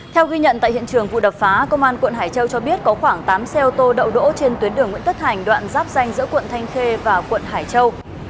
theo ghi nhận tại hiện trường vụ đập phá công an quận hải châu cho biết có khoảng tám xe ô tô đậu đỗ trên tuyến đường nguyễn tất thành đoạn giáp danh giữa quận thanh khê và quận hải châu